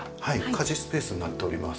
家事スペースになっております。